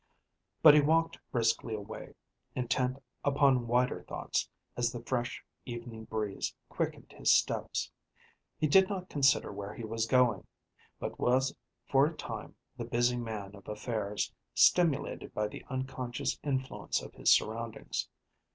But he walked briskly away, intent upon wider thoughts as the fresh evening breeze quickened his steps. He did not consider where he was going, but was for a time the busy man of affairs, stimulated by the unconscious influence of his surroundings.